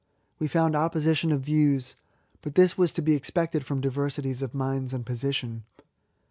We found opposition of views ; but this was to be expected from diversities, of minds and position.